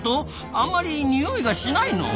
あんまり匂いがしないの？